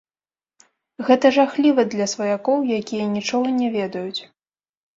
Гэта жахліва для сваякоў, якія нічога не ведаюць.